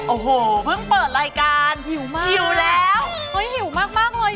โอ้โหเพิ่งเปิดรายการหิวแล้ว